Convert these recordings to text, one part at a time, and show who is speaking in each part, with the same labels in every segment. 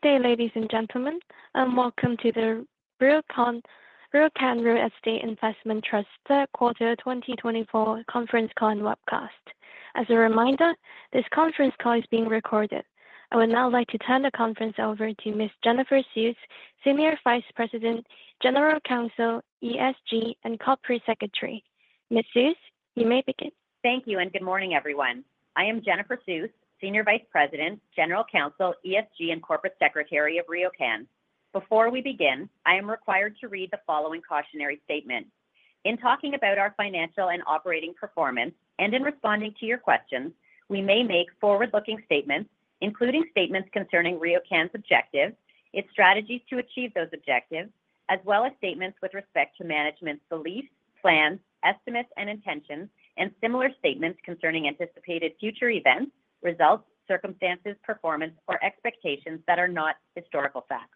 Speaker 1: Good day, ladies and gentlemen, and welcome to the RioCan Real Estate Investment Trust's third quarter 2024 conference call and webcast. As a reminder, this conference call is being recorded. I would now like to turn the conference over to Ms. Jennifer Suess, Senior Vice President, General Counsel, ESG, and Corporate Secretary. Ms. Suess, you may begin.
Speaker 2: Thank you, and good morning, everyone. I am Jennifer Suess, Senior Vice President, General Counsel, ESG, and Corporate Secretary of RioCan. Before we begin, I am required to read the following cautionary statement. In talking about our financial and operating performance and in responding to your questions, we may make forward-looking statements, including statements concerning RioCan's objectives, its strategies to achieve those objectives, as well as statements with respect to management's beliefs, plans, estimates, and intentions, and similar statements concerning anticipated future events, results, circumstances, performance, or expectations that are not historical facts.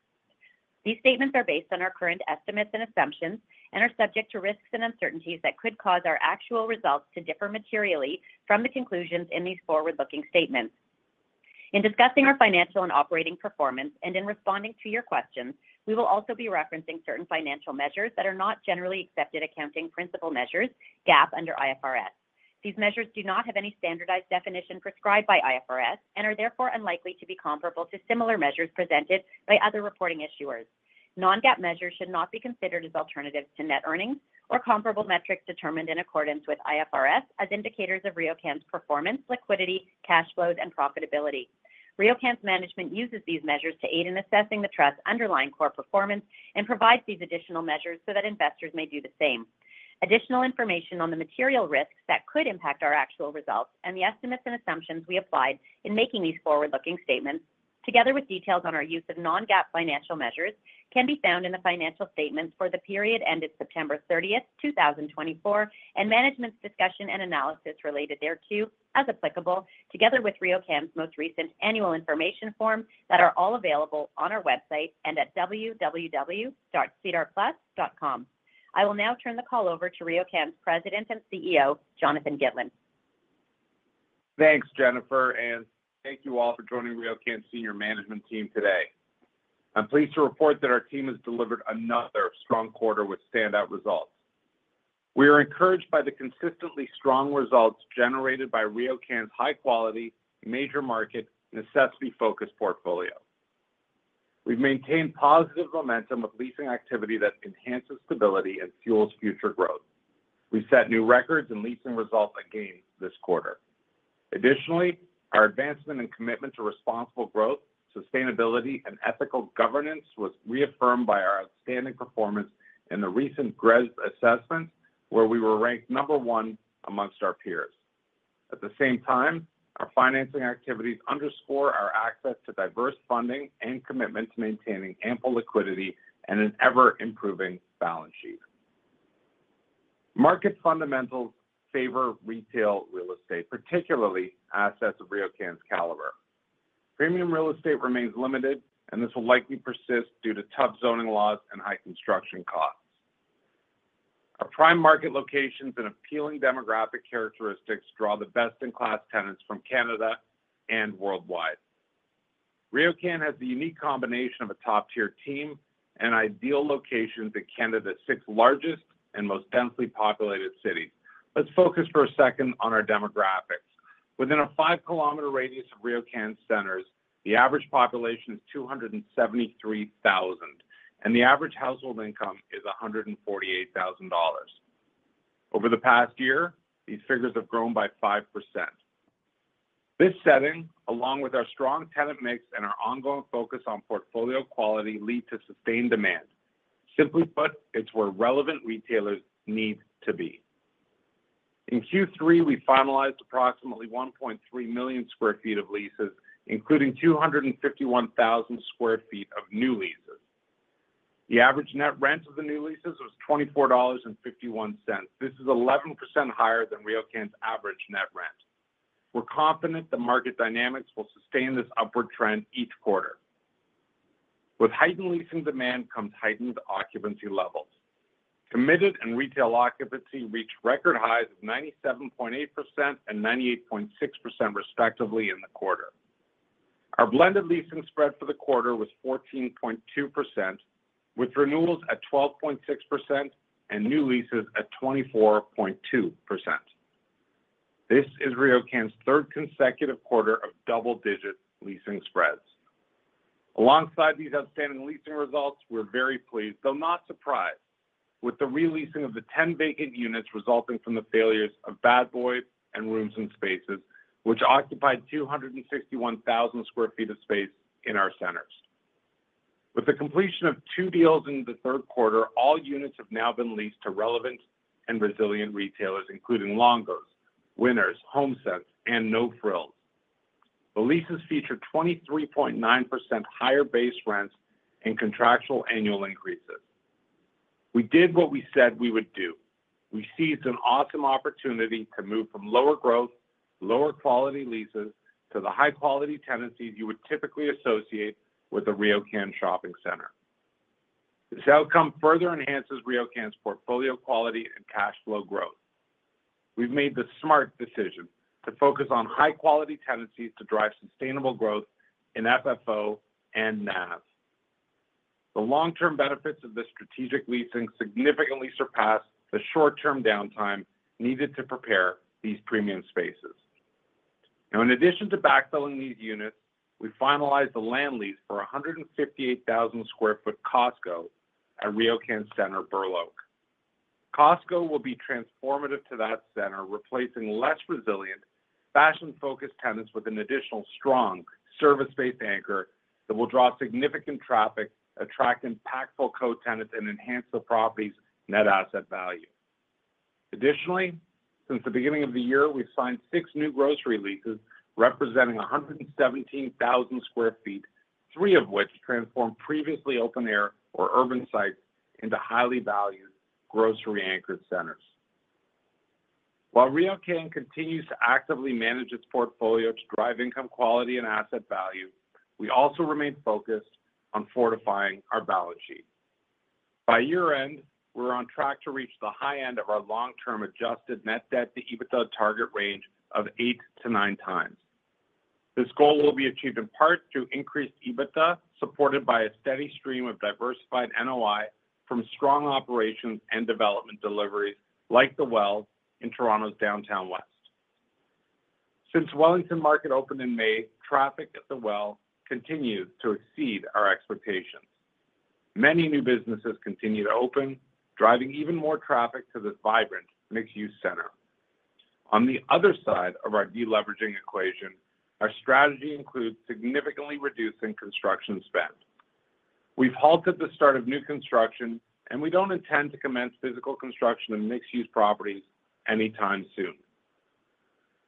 Speaker 2: These statements are based on our current estimates and assumptions and are subject to risks and uncertainties that could cause our actual results to differ materially from the conclusions in these forward-looking statements. In discussing our financial and operating performance and in responding to your questions, we will also be referencing certain financial measures that are not generally accepted accounting principles measures, GAAP, under IFRS. These measures do not have any standardized definition prescribed by IFRS and are therefore unlikely to be comparable to similar measures presented by other reporting issuers. Non-GAAP measures should not be considered as alternatives to net earnings or comparable metrics determined in accordance with IFRS as indicators of RioCan's performance, liquidity, cash flows, and profitability. RioCan's management uses these measures to aid in assessing the trust's underlying core performance and provides these additional measures so that investors may do the same. Additional information on the material risks that could impact our actual results and the estimates and assumptions we applied in making these forward-looking statements, together with details on our use of non-GAAP financial measures, can be found in the financial statements for the period ended September 30, 2024, and management's discussion and analysis related thereto, as applicable, together with RioCan's most recent annual information forms that are all available on our website and at www.sedarplus.com. I will now turn the call over to RioCan's President and CEO, Jonathan Gitlin.
Speaker 3: Thanks, Jennifer, and thank you all for joining RioCan's senior management team today. I'm pleased to report that our team has delivered another strong quarter with standout results. We are encouraged by the consistently strong results generated by RioCan's high-quality, major market, necessity-focused portfolio. We've maintained positive momentum with leasing activity that enhances stability and fuels future growth. We set new records in leasing results again this quarter. Additionally, our advancement and commitment to responsible growth, sustainability, and ethical governance was reaffirmed by our outstanding performance in the recent GRESB assessments, where we were ranked number one among our peers. At the same time, our financing activities underscore our access to diverse funding and commitment to maintaining ample liquidity and an ever-improving balance sheet. Market fundamentals favor retail real estate, particularly assets of RioCan's caliber. Premium real estate remains limited, and this will likely persist due to tough zoning laws and high construction costs. Our prime market locations and appealing demographic characteristics draw the best-in-class tenants from Canada and worldwide. RioCan has the unique combination of a top-tier team and ideal locations in Canada's six largest and most densely populated cities. Let's focus for a second on our demographics. Within a five-kilometer radius of RioCan's centers, the average population is 273,000, and the average household income is 148,000 dollars. Over the past year, these figures have grown by 5%. This setting, along with our strong tenant mix and our ongoing focus on portfolio quality, leads to sustained demand. Simply put, it's where relevant retailers need to be. In Q3, we finalized approximately 1.3 million sq ft of leases, including 251,000 sq ft of new leases. The average net rent of the new leases was 24.51 dollars. This is 11% higher than RioCan's average net rent. We're confident the market dynamics will sustain this upward trend each quarter. With heightened leasing demand comes heightened occupancy levels. Committed and retail occupancy reached record highs of 97.8% and 98.6%, respectively, in the quarter. Our blended leasing spread for the quarter was 14.2%, with renewals at 12.6% and new leases at 24.2%. This is RioCan's third consecutive quarter of double-digit leasing spreads. Alongside these outstanding leasing results, we're very pleased, though not surprised, with the releasing of the 10 vacant units resulting from the failures of Bad Boy and Rooms and Spaces, which occupied 261,000 sq ft of space in our centers. With the completion of two deals in the third quarter, all units have now been leased to relevant and resilient retailers, including Longo's, Winners, HomeSense, and No Frills. The leases feature 23.9% higher base rents and contractual annual increases. We did what we said we would do. We seized an awesome opportunity to move from lower growth, lower quality leases to the high-quality tenancies you would typically associate with a RioCan shopping center. This outcome further enhances RioCan's portfolio quality and cash flow growth. We've made the smart decision to focus on high-quality tenancies to drive sustainable growth in FFO and NAV. The long-term benefits of this strategic leasing significantly surpass the short-term downtime needed to prepare these premium spaces. Now, in addition to backfilling these units, we finalized a land lease for 158,000 sq ft Costco at RioCan's center, Burloak. Costco will be transformative to that center, replacing less resilient, fashion-focused tenants with an additional strong service-based anchor that will draw significant traffic, attract impactful co-tenants, and enhance the property's net asset value. Additionally, since the beginning of the year, we've signed six new grocery leases representing 117,000 sq ft, three of which transformed previously open-air or urban sites into highly valued grocery-anchored centers. While RioCan continues to actively manage its portfolio to drive income quality and asset value, we also remain focused on fortifying our balance sheet. By year-end, we're on track to reach the high end of our long-term adjusted net debt to EBITDA target range of 8x-9x. This goal will be achieved in part through increased EBITDA supported by a steady stream of diversified NOI from strong operations and development deliveries like The Well in Toronto's downtown west. Since Wellington Market opened in May, traffic at The Well continues to exceed our expectations. Many new businesses continue to open, driving even more traffic to this vibrant mixed-use center. On the other side of our deleveraging equation, our strategy includes significantly reducing construction spend. We've halted the start of new construction, and we don't intend to commence physical construction of mixed-use properties anytime soon.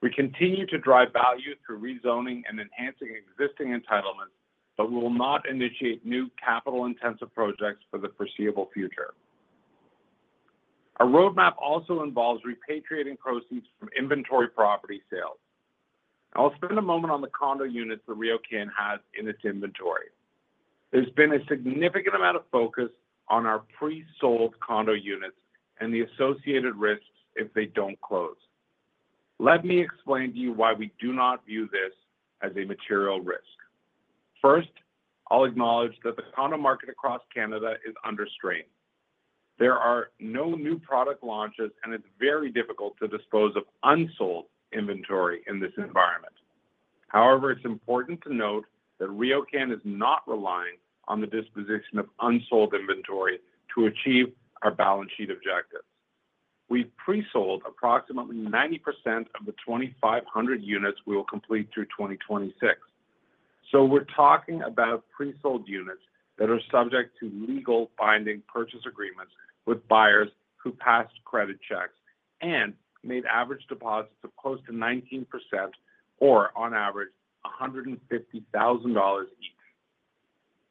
Speaker 3: We continue to drive value through rezoning and enhancing existing entitlements, but we will not initiate new capital-intensive projects for the foreseeable future. Our roadmap also involves repatriating proceeds from inventory property sales. I'll spend a moment on the condo units that RioCan has in its inventory. There's been a significant amount of focus on our pre-sold condo units and the associated risks if they don't close. Let me explain to you why we do not view this as a material risk. First, I'll acknowledge that the condo market across Canada is under strain. There are no new product launches, and it's very difficult to dispose of unsold inventory in this environment. However, it's important to note that RioCan is not relying on the disposition of unsold inventory to achieve our balance sheet objectives. We've pre-sold approximately 90% of the 2,500 units we will complete through 2026. So we're talking about pre-sold units that are subject to legal binding purchase agreements with buyers who passed credit checks and made average deposits of close to 19% or, on average, 150,000 dollars each.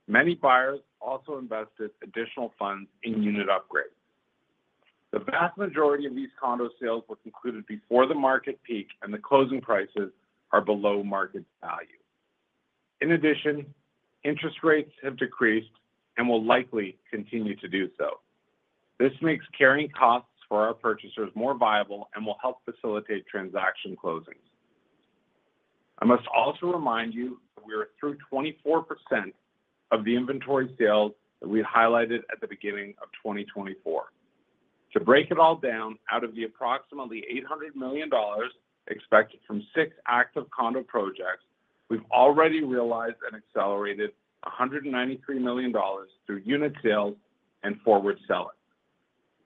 Speaker 3: Many buyers also invested additional funds in unit upgrades. The vast majority of these condo sales were concluded before the market peak, and the closing prices are below market value. In addition, interest rates have decreased and will likely continue to do so. This makes carrying costs for our purchasers more viable and will help facilitate transaction closings. I must also remind you that we are through 24% of the inventory sales that we highlighted at the beginning of 2024. To break it all down, out of the approximately 800 million dollars expected from six active condo projects, we've already realized and accelerated 193 million dollars through unit sales and forward selling.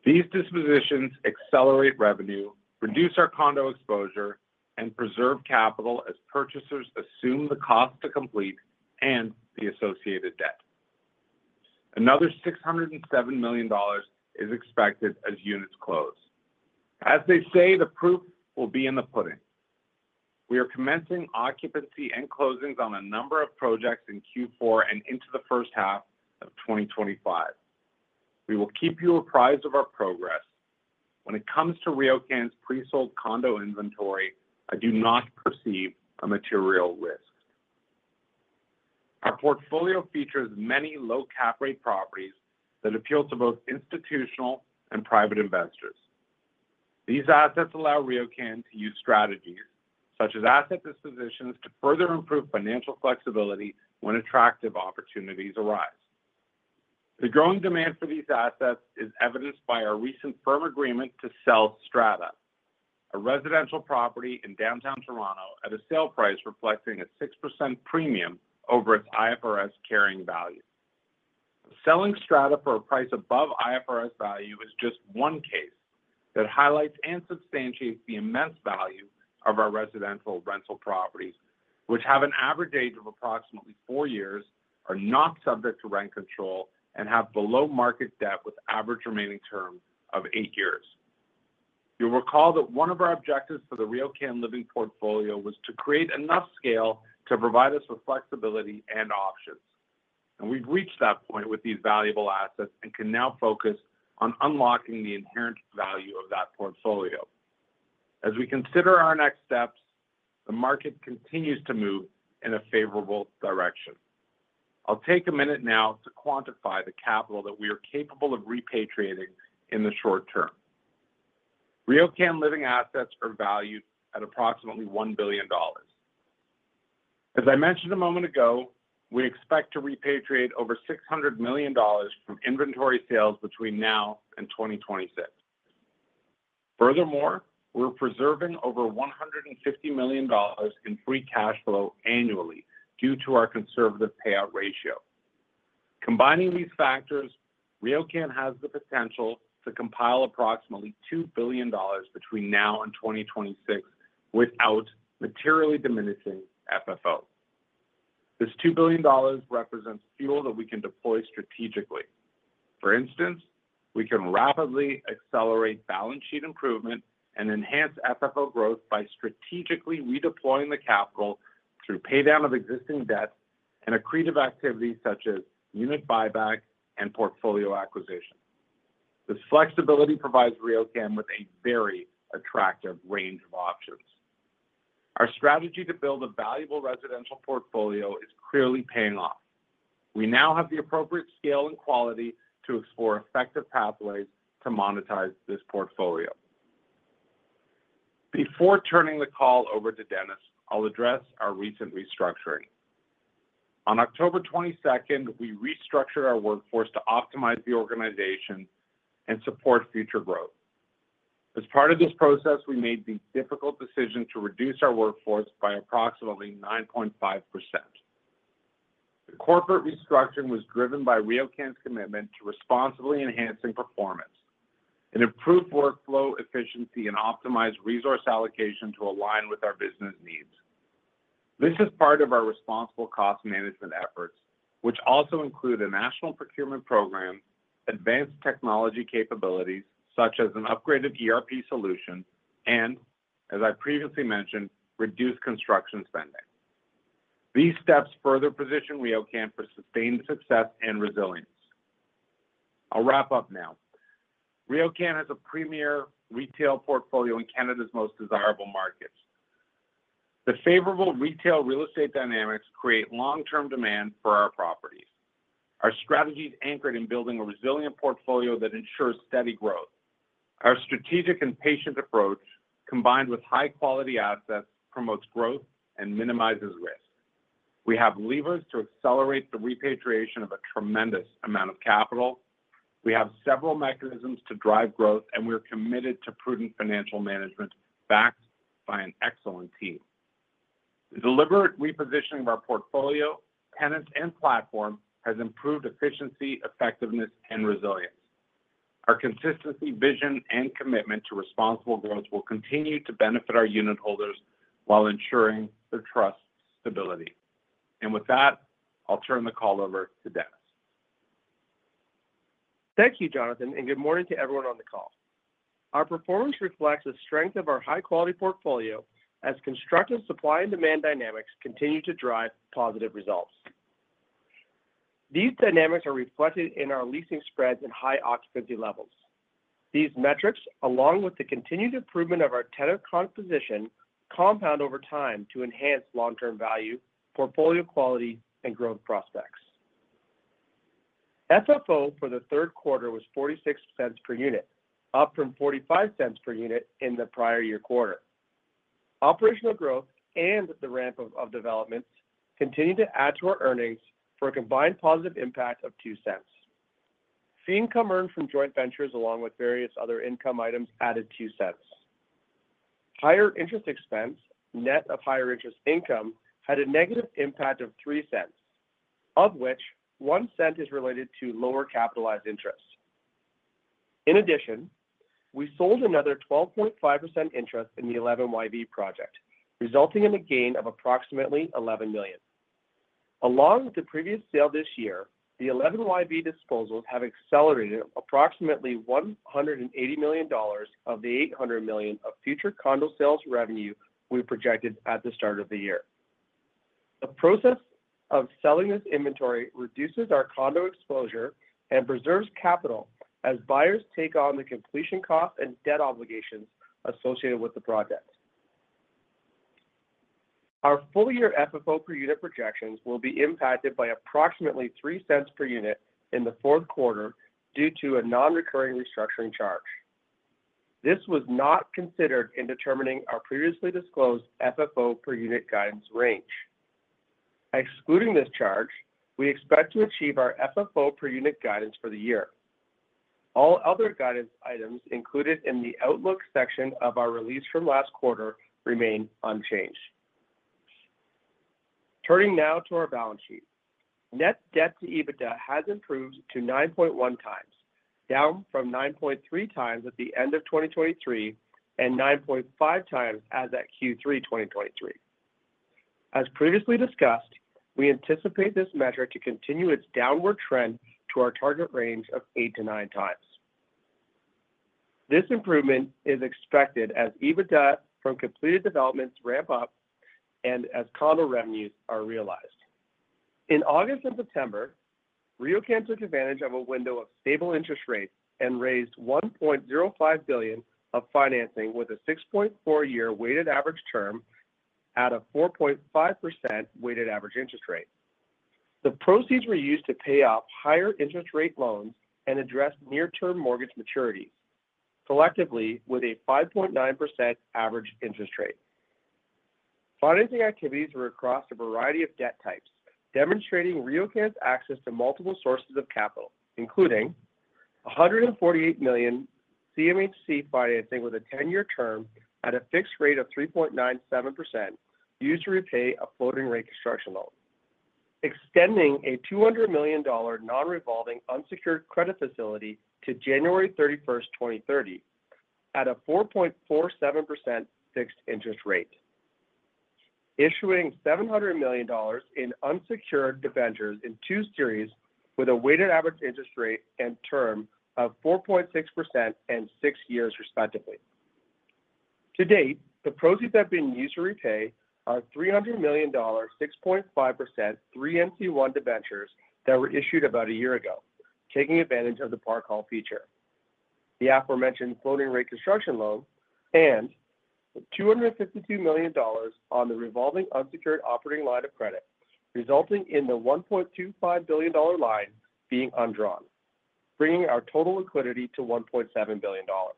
Speaker 3: These dispositions accelerate revenue, reduce our condo exposure, and preserve capital as purchasers assume the cost to complete and the associated debt. Another 607 million dollars is expected as units close. As they say, the proof will be in the pudding. We are commencing occupancy and closings on a number of projects in Q4 and into the first half of 2025. We will keep you apprised of our progress. When it comes to RioCan's pre-sold condo inventory, I do not perceive a material risk. Our portfolio features many low-cap rate properties that appeal to both institutional and private investors. These assets allow RioCan to use strategies such as asset dispositions to further improve financial flexibility when attractive opportunities arise. The growing demand for these assets is evidenced by our recent firm agreement to sell Strata, a residential property in downtown Toronto, at a sale price reflecting a 6% premium over its IFRS carrying value. Selling Strata for a price above IFRS value is just one case that highlights and substantiates the immense value of our residential rental properties, which have an average age of approximately four years, are not subject to rent control, and have below market debt with average remaining term of eight years. You'll recall that one of our objectives for the RioCan Living portfolio was to create enough scale to provide us with flexibility and options, and we've reached that point with these valuable assets and can now focus on unlocking the inherent value of that portfolio. As we consider our next steps, the market continues to move in a favorable direction. I'll take a minute now to quantify the capital that we are capable of repatriating in the short term. RioCan Living assets are valued at approximately 1 billion dollars. As I mentioned a moment ago, we expect to repatriate over 600 million dollars from inventory sales between now and 2026. Furthermore, we're preserving over 150 million dollars in free cash flow annually due to our conservative payout ratio. Combining these factors, RioCan has the potential to compile approximately 2 billion dollars between now and 2026 without materially diminishing FFO. This 2 billion dollars represents fuel that we can deploy strategically. For instance, we can rapidly accelerate balance sheet improvement and enhance FFO growth by strategically redeploying the capital through paydown of existing debt and accretive activity such as unit buyback and portfolio acquisition. This flexibility provides RioCan with a very attractive range of options. Our strategy to build a valuable residential portfolio is clearly paying off. We now have the appropriate scale and quality to explore effective pathways to monetize this portfolio. Before turning the call over to Dennis, I'll address our recent restructuring. On October 22nd, we restructured our workforce to optimize the organization and support future growth. As part of this process, we made the difficult decision to reduce our workforce by approximately 9.5%. The corporate restructuring was driven by RioCan's commitment to responsibly enhancing performance, an improved workflow efficiency, and optimized resource allocation to align with our business needs. This is part of our responsible cost management efforts, which also include a national procurement program, advanced technology capabilities such as an upgraded ERP solution, and, as I previously mentioned, reduced construction spending. These steps further position RioCan for sustained success and resilience. I'll wrap up now. RioCan has a premier retail portfolio in Canada's most desirable markets. The favorable retail real estate dynamics create long-term demand for our properties. Our strategy is anchored in building a resilient portfolio that ensures steady growth. Our strategic and patient approach, combined with high-quality assets, promotes growth and minimizes risk. We have levers to accelerate the repatriation of a tremendous amount of capital. We have several mechanisms to drive growth, and we're committed to prudent financial management backed by an excellent team. The deliberate repositioning of our portfolio, tenants, and platform has improved efficiency, effectiveness, and resilience. Our consistency, vision, and commitment to responsible growth will continue to benefit our unit holders while ensuring their trust stability. And with that, I'll turn the call over to Dennis.
Speaker 4: Thank you, Jonathan, and good morning to everyone on the call. Our performance reflects the strength of our high-quality portfolio as constructive supply and demand dynamics continue to drive positive results. These dynamics are reflected in our leasing spreads and high occupancy levels. These metrics, along with the continued improvement of our tenant composition, compound over time to enhance long-term value, portfolio quality, and growth prospects. FFO for the third quarter was 0.46 per unit, up from 0.45 per unit in the prior year quarter. Operational growth and the ramp of developments continue to add to our earnings for a combined positive impact of 0.02. Fee income earned from joint ventures, along with various other income items, added 0.02. Higher interest expense, net of higher interest income, had a negative impact of 0.03, of which 0.01 is related to lower capitalized interest. In addition, we sold another 12.5% interest in the 11YV project, resulting in a gain of approximately 11 million. Along with the previous sale this year, the 11YV disposals have accelerated approximately 180 million dollars of the 800 million of future condo sales revenue we projected at the start of the year. The process of selling this inventory reduces our condo exposure and preserves capital as buyers take on the completion costs and debt obligations associated with the project. Our full-year FFO per unit projections will be impacted by approximately 0.03 per unit in the fourth quarter due to a non-recurring restructuring charge. This was not considered in determining our previously disclosed FFO per unit guidance range. Excluding this charge, we expect to achieve our FFO per unit guidance for the year. All other guidance items included in the outlook section of our release from last quarter remain unchanged. Turning now to our balance sheet, net debt to EBITDA has improved to 9.1x, down from 9.3xat the end of 2023 and 9.5x as at Q3 2023. As previously discussed, we anticipate this metric to continue its downward trend to our target range of eight to nine times. This improvement is expected as EBITDA from completed developments ramp up and as condo revenues are realized. In August and September, RioCan took advantage of a window of stable interest rates and raised 1.05 billion of financing with a 6.4-year weighted average term at a 4.5% weighted average interest rate. The proceeds were used to pay off higher interest rate loans and address near-term mortgage maturities, collectively with a 5.9% average interest rate. Financing activities were across a variety of debt types, demonstrating RioCan's access to multiple sources of capital, including 148 million CMHC financing with a 10-year term at a fixed rate of 3.97% used to repay a floating rate construction loan, extending a 200 million dollar non-revolving unsecured credit facility to January 31st, 2030, at a 4.47% fixed interest rate, issuing 700 million dollars in unsecured debentures in two series with a weighted average interest rate and term of 4.6% and six years, respectively. To date, the proceeds that have been used to repay are 300 million dollar, 6.5% 3MC1 debentures that were issued about a year ago, taking advantage of the par call feature, the aforementioned floating rate construction loan, and 252 million dollars on the revolving unsecured operating line of credit, resulting in the 1.25 billion dollar line being undrawn, bringing our total liquidity to 1.7 billion dollars.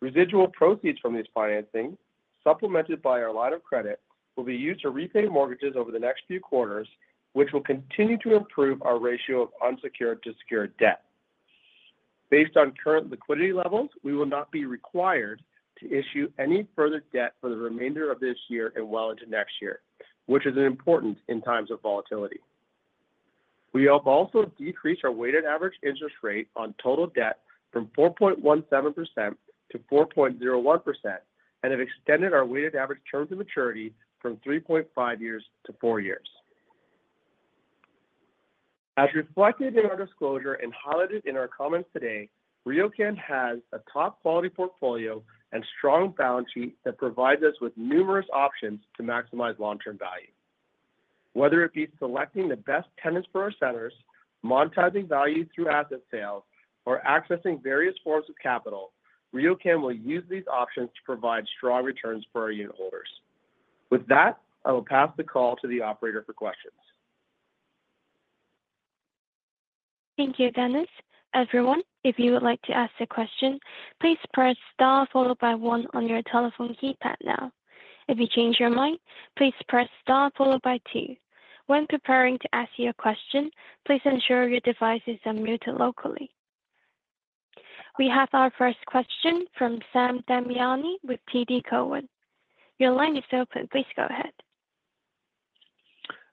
Speaker 4: Residual proceeds from this financing, supplemented by our line of credit, will be used to repay mortgages over the next few quarters, which will continue to improve our ratio of unsecured to secured debt. Based on current liquidity levels, we will not be required to issue any further debt for the remainder of this year and well into next year, which is important in times of volatility. We have also decreased our weighted average interest rate on total debt from 4.17% to 4.01% and have extended our weighted average term to maturity from 3.5 years to four years. As reflected in our disclosure and highlighted in our comments today, RioCan has a top-quality portfolio and strong balance sheet that provides us with numerous options to maximize long-term value. Whether it be selecting the best tenants for our centers, monetizing value through asset sales, or accessing various forms of capital, RioCan will use these options to provide strong returns for our unit holders. With that, I will pass the call to the operator for questions.
Speaker 1: Thank you, Dennis. Everyone, if you would like to ask a question, please press star followed by one on your telephone keypad now. If you change your mind, please press star followed by two. When preparing to ask your question, please ensure your device is unmuted locally. We have our first question from Sam Damiani with TD Cowen. Your line is open. Please go ahead.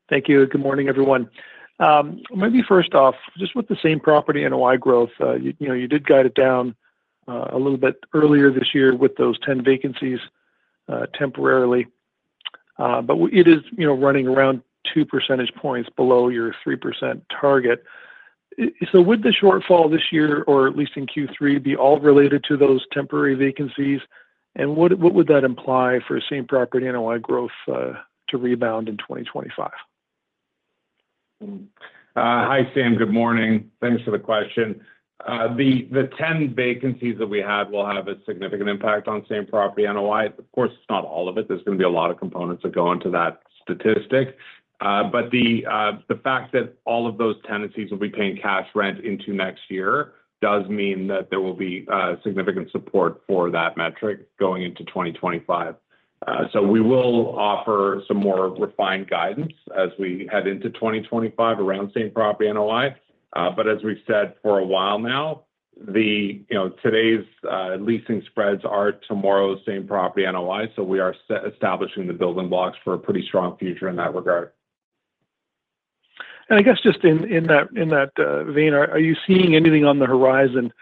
Speaker 5: Thank you. Good morning, everyone. Maybe first off, just with the same property NOI growth, you did guide it down a little bit earlier this year with those 10 vacancies temporarily, but it is running around 2 percentage points below your 3% target. So would the shortfall this year, or at least in Q3, be all related to those temporary vacancies? And what would that imply for same property NOI growth to rebound in 2025?
Speaker 3: Hi, Sam. Good morning. Thanks for the question. The 10 vacancies that we have will have a significant impact on same property NOI. Of course, it's not all of it. There's going to be a lot of components that go into that statistic. But the fact that all of those tenancies will be paying cash rent into next year does mean that there will be significant support for that metric going into 2025. So we will offer some more refined guidance as we head into 2025 around same property and why. But as we've said for a while now, today's leasing spreads are tomorrow's same property and why. So we are establishing the building blocks for a pretty strong future in that regard.
Speaker 5: And I guess just in that vein, are you seeing anything on the horizon,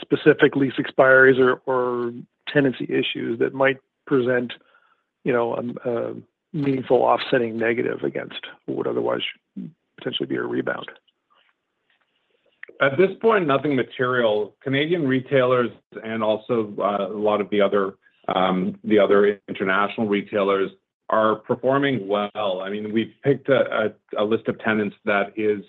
Speaker 5: specific lease expiry or tenancy issues that might present a meaningful offsetting negative against what would otherwise potentially be a rebound?
Speaker 3: At this point, nothing material. Canadian retailers and also a lot of the other international retailers are performing well. I mean, we've picked a list of tenants that is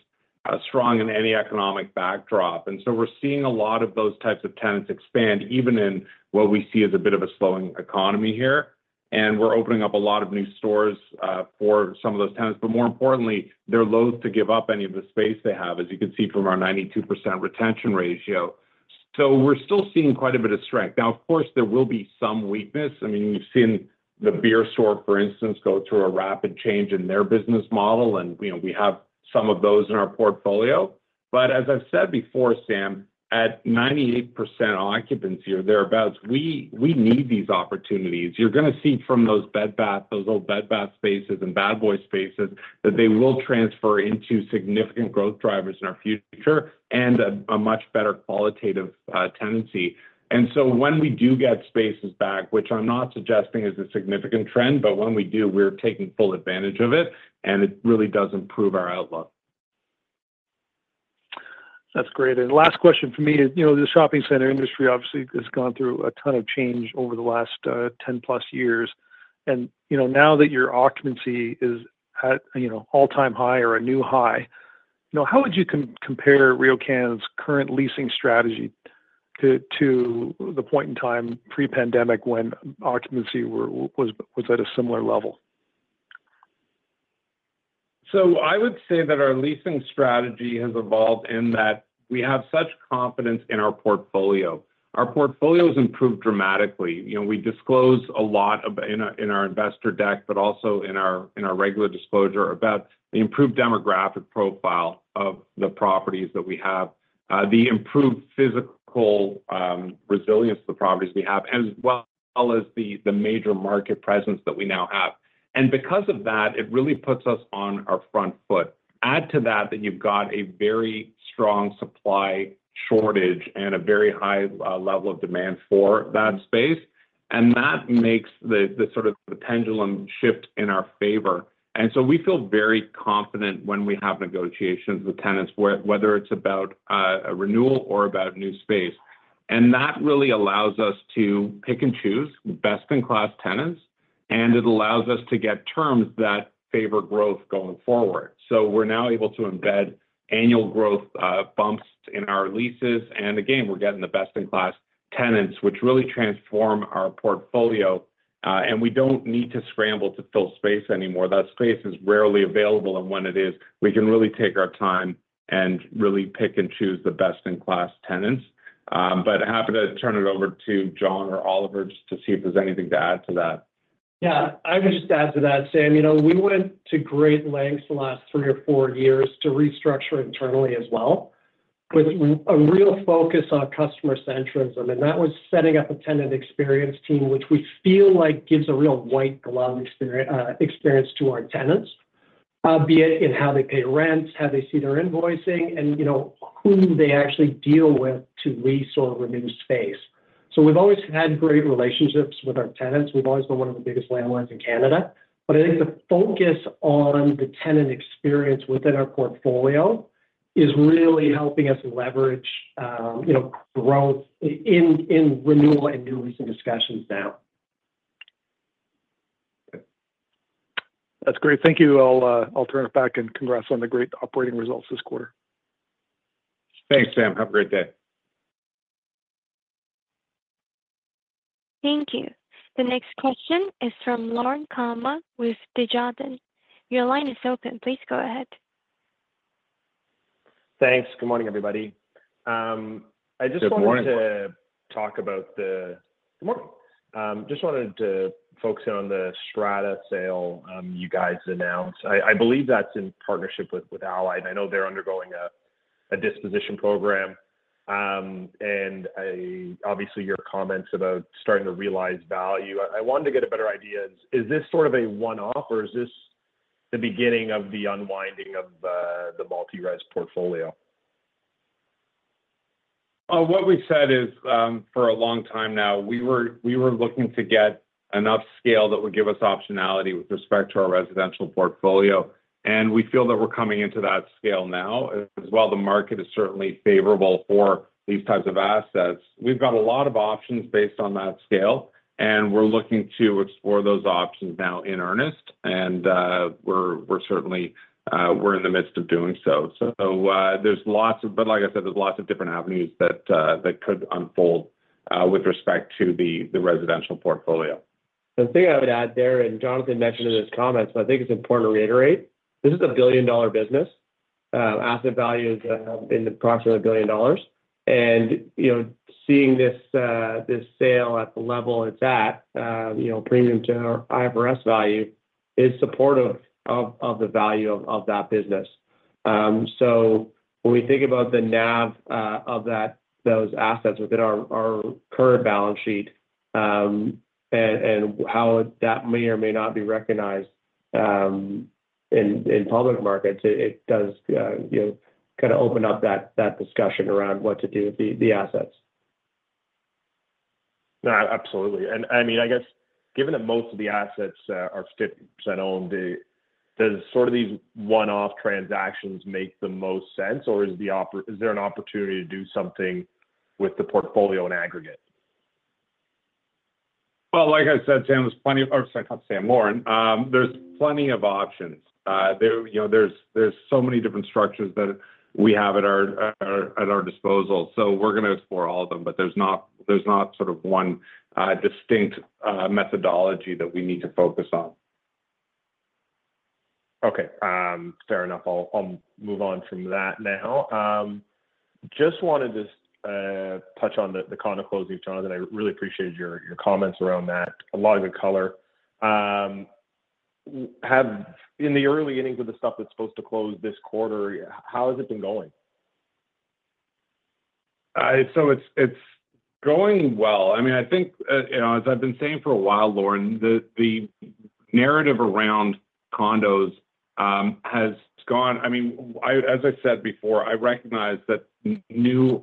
Speaker 3: strong in any economic backdrop. And so we're seeing a lot of those types of tenants expand, even in what we see as a bit of a slowing economy here. And we're opening up a lot of new stores for some of those tenants. But more importantly, they're loath to give up any of the space they have, as you can see from our 92% retention ratio. So we're still seeing quite a bit of strength. Now, of course, there will be some weakness. I mean, we've seen the Beer Store, for instance, go through a rapid change in their business model. And we have some of those in our portfolio. But as I've said before, Sam, at 98% occupancy or thereabouts, we need these opportunities. You're going to see from those Bed Bath, those old Bed Bath spaces and Bad Boy spaces that they will transfer into significant growth drivers in our future and a much better qualitative tenancy. And so when we do get spaces back, which I'm not suggesting is a significant trend, but when we do, we're taking full advantage of it. And it really does improve our outlook.
Speaker 5: That's great. And last question for me is the shopping center industry obviously has gone through a ton of change over the last 10-plus years. And now that your occupancy is at an all-time high or a new high, how would you compare RioCan's current leasing strategy to the point in time pre-pandemic when occupancy was at a similar level?
Speaker 3: So I would say that our leasing strategy has evolved in that we have such confidence in our portfolio. Our portfolio has improved dramatically. We disclose a lot in our investor deck, but also in our regular disclosure about the improved demographic profile of the properties that we have, the improved physical resilience of the properties we have, as well as the major market presence that we now have, and because of that, it really puts us on our front foot, add to that that you've got a very strong supply shortage and a very high level of demand for that space, and that makes the sort of pendulum shift in our favor, and so we feel very confident when we have negotiations with tenants, whether it's about a renewal or about new space, and that really allows us to pick and choose best-in-class tenants, and it allows us to get terms that favor growth going forward, so we're now able to embed annual growth bumps in our leases. And again, we're getting the best-in-class tenants, which really transform our portfolio. And we don't need to scramble to fill space anymore. That space is rarely available. And when it is, we can really take our time and really pick and choose the best-in-class tenants. But I'm happy to turn it over to John or Oliver just to see if there's anything to add to that.
Speaker 6: Yeah. I would just add to that, Sam. We went to great lengths the last three or four years to restructure internally as well, with a real focus on customer centrism. And that was setting up a tenant experience team, which we feel like gives a real white glove experience to our tenants, be it in how they pay rents, how they see their invoicing, and who they actually deal with to lease or renew space. So we've always had great relationships with our tenants. We've always been one of the biggest landlords in Canada. But I think the focus on the tenant experience within our portfolio is really helping us leverage growth in renewal and new leasing discussions now.
Speaker 5: That's great. Thank you. I'll turn it back and congrats on the great operating results this quarter.
Speaker 3: Thanks, Sam. Have a great day.
Speaker 1: Thank you. The next question is from Lorne Kalmar with Desjardins. Your line is open. Please go ahead.
Speaker 7: Thanks. Good morning, everybody. Just wanted to focus in on the Strata sale you guys announced. I believe that's in partnership with Allied. And I know they're undergoing a disposition program. And obviously, your comments about starting to realize value. I wanted to get a better idea. Is this sort of a one-off, or is this the beginning of the unwinding of the multi-res portfolio?
Speaker 3: What we've said is for a long time now, we were looking to get enough scale that would give us optionality with respect to our residential portfolio. And we feel that we're coming into that scale now. As well, the market is certainly favorable for these types of assets. We've got a lot of options based on that scale. And we're looking to explore those options now in earnest. And we're certainly in the midst of doing so. So there's lots of, but like I said, there's lots of different avenues that could unfold with respect to the residential portfolio.
Speaker 6: The thing I would add there, and Jonathan mentioned in his comments, but I think it's important to reiterate, this is a billion-dollar business. Asset value is approximately a billion dollars. Seeing this sale at the level it's at, premium to IFRS value, is supportive of the value of that business. So when we think about the NAV of those assets within our current balance sheet and how that may or may not be recognized in public markets, it does kind of open up that discussion around what to do with the assets.
Speaker 7: Absolutely. And I mean, I guess given that most of the assets are 50% owned, does sort of these one-off transactions make the most sense? Or is there an opportunity to do something with the portfolio in aggregate?
Speaker 3: Well, like I said, Sam, there's plenty of. Sorry, not Sam, Lorne. There's plenty of options. There's so many different structures that we have at our disposal. So we're going to explore all of them, but there's not sort of one distinct methodology that we need to focus on.
Speaker 7: Okay. Fair enough. I'll move on from that now. Just wanted to touch on the condo closing, Jonathan. I really appreciated your comments around that. A lot of good color. In the early innings of the stuff that's supposed to close this quarter, how has it been going?
Speaker 3: So it's going well. I mean, I think, as I've been saying for a while, Lorne, the narrative around condos has gone. I mean, as I said before, I recognize that new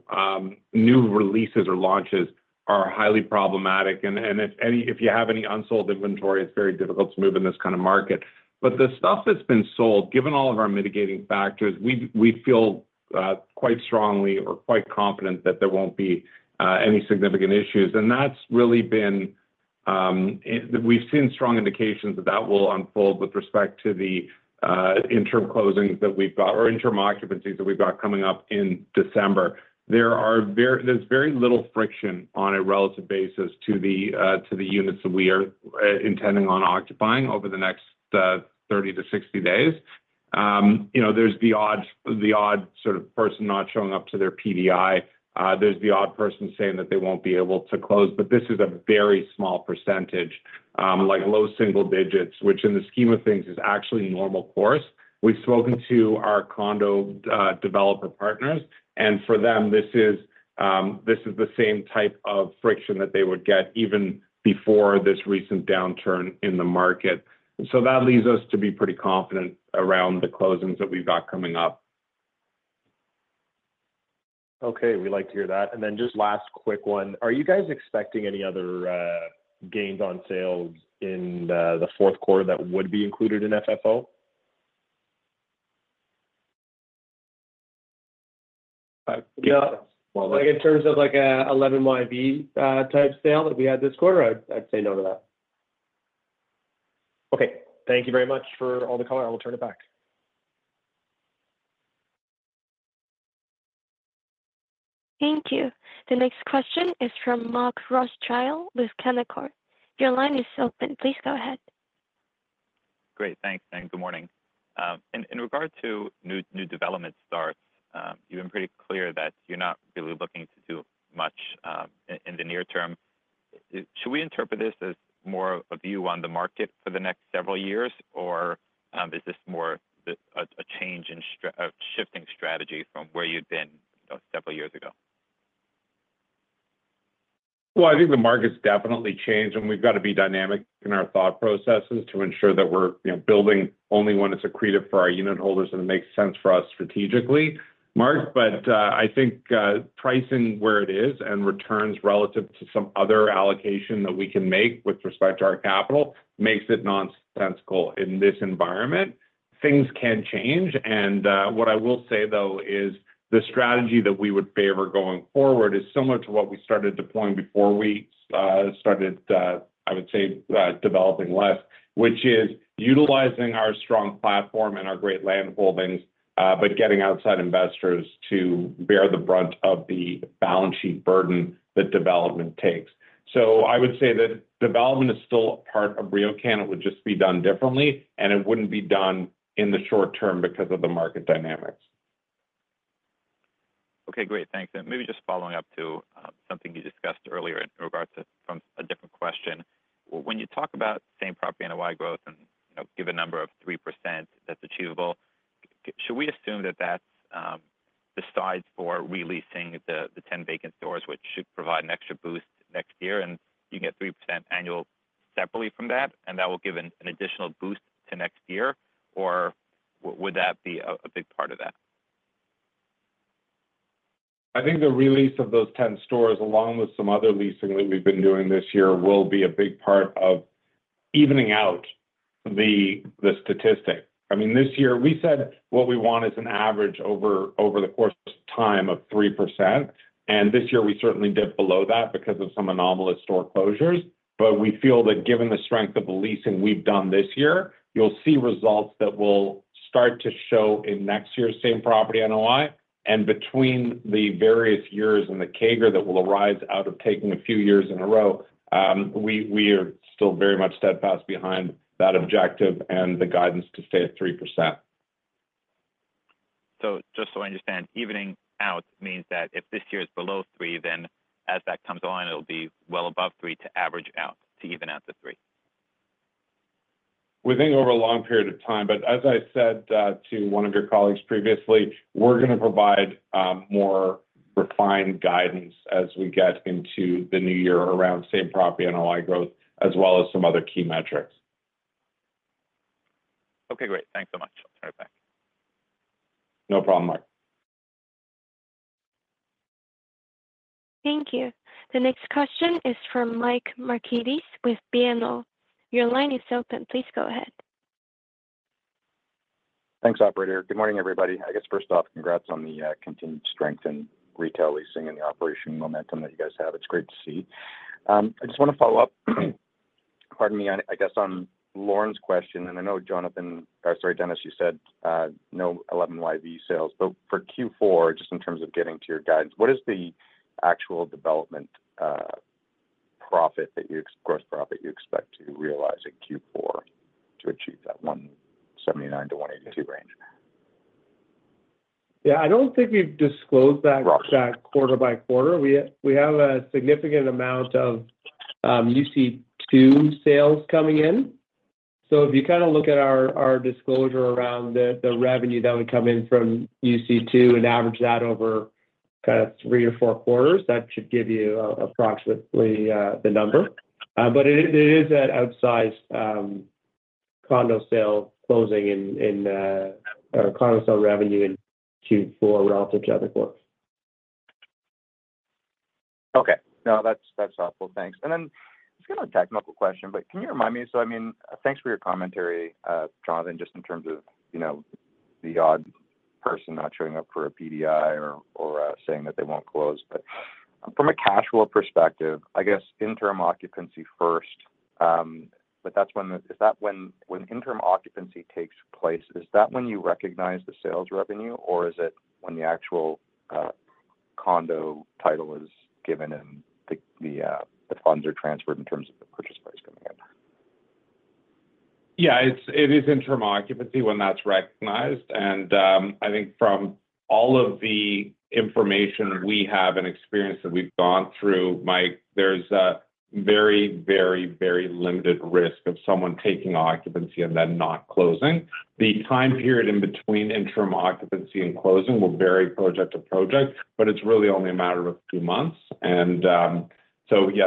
Speaker 3: releases or launches are highly problematic. And if you have any unsold inventory, it's very difficult to move in this kind of market. But the stuff that's been sold, given all of our mitigating factors, we feel quite strongly or quite confident that there won't be any significant issues. And that's really been. We've seen strong indications that that will unfold with respect to the interim closings that we've got or interim occupancies that we've got coming up in December. There's very little friction on a relative basis to the units that we are intending on occupying over the next 30-60 days. There's the odd sort of person not showing up to their PDI. There's the odd person saying that they won't be able to close. But this is a very small percentage, like low single digits, which in the scheme of things is actually normal course. We've spoken to our condo developer partners. And for them, this is the same type of friction that they would get even before this recent downturn in the market. So that leaves us to be pretty confident around the closings that we've got coming up.
Speaker 7: Okay. We'd like to hear that. And then just last quick one. Are you guys expecting any other gains on sales in the fourth quarter that would be included in FFO?
Speaker 3: Yeah. Well, in terms of an 11YV type sale that we had this quarter, I'd say no to that.
Speaker 7: Okay. Thank you very much for all the color. I will turn it back.
Speaker 1: Thank you. The next question is from Mark Rothschild with Canaccord. Your line is open. Please go ahead.
Speaker 8: Great. Thanks. And good morning. In regard to new development starts, you've been pretty clear that you're not really looking to do much in the near term. Should we interpret this as more of you on the market for the next several years, or is this more a change in shifting strategy from where you'd been several years ago?
Speaker 3: Well, I think the market's definitely changed. And we've got to be dynamic in our thought processes to ensure that we're building only when it's accretive for our unit holders and it makes sense for us strategically, Mark. But I think pricing where it is and returns relative to some other allocation that we can make with respect to our capital makes it nonsensical in this environment. Things can change. And what I will say, though, is the strategy that we would favor going forward is similar to what we started deploying before we started, I would say, developing less, which is utilizing our strong platform and our great land holdings, but getting outside investors to bear the brunt of the balance sheet burden that development takes. So I would say that development is still a part of RioCan. It would just be done differently. It wouldn't be done in the short term because of the market dynamics.
Speaker 8: Okay. Great. Thanks. And maybe just following up to something you discussed earlier in regards to a different question. When you talk about same property and YoY growth and give a number of 3% that's achievable, should we assume that that's the size for releasing the 10 vacant stores, which should provide an extra boost next year, and you can get 3% annual separately from that, and that will give an additional boost to next year? Or would that be a big part of that?
Speaker 3: I think the release of those 10 stores, along with some other leasing that we've been doing this year, will be a big part of evening out the statistic. I mean, this year, we said what we want is an average over the course of time of 3%. This year, we certainly dipped below that because of some anomalous store closures. We feel that given the strength of the leasing we've done this year, you'll see results that will start to show in next year's Same Property NOI. Between the various years and the CAGR that will arise out of taking a few years in a row, we are still very much steadfast behind that objective and the guidance to stay at 3%.
Speaker 8: Just so I understand, evening out means that if this year is below 3, then as that comes on, it'll be well above 3 to average out, to even out the 3?
Speaker 3: Within over a long period of time. But as I said to one of your colleagues previously, we're going to provide more refined guidance as we get into the new year around same property NOI growth, as well as some other key metrics.
Speaker 8: Okay. Great. Thanks so much. I'll turn it back.
Speaker 3: No problem, Mark.
Speaker 1: Thank you. The next question is from Mike Markidis with BMO. Your line is open. Please go ahead.
Speaker 9: Thanks, operator. Good morning, everybody. I guess, first off, congrats on the continued strength in retail leasing and the operational momentum that you guys have. It's great to see. I just want to follow up, pardon me, I guess, on Lorne's question. And I know Jonathan, or sorry, Dennis, you said no 11YV sales. But for Q4, just in terms of getting to your guidance, what is the actual development profit, the gross profit you expect to realize in Q4 to achieve that 179-182 range?
Speaker 4: Yeah. I don't think we've disclosed that quarter by quarter. We have a significant amount of UC2 sales coming in. So if you kind of look at our disclosure around the revenue that would come in from UC2 and average that over kind of three or four quarters, that should give you approximately the number. But it is an outsized condo sale closing, or condo sale revenue, in Q4 relative to other quarters.
Speaker 9: Okay. No, that's helpful. Thanks. And then just kind of a technical question, but can you remind me? So, I mean, thanks for your commentary, Jonathan, just in terms of the odd person not showing up for a PDI or saying that they won't close. But from a cash flow perspective, I guess interim occupancy first. But that's when. Is that when interim occupancy takes place, is that when you recognize the sales revenue, or is it when the actual condo title is given and the funds are transferred in terms of the purchase price coming in?
Speaker 3: Yeah. It is interim occupancy when that's recognized. And I think from all of the information we have and experience that we've gone through, Mike, there's a very, very, very limited risk of someone taking occupancy and then not closing. The time period in between interim occupancy and closing will vary project to project, but it's really only a matter of a few months. And so yeah,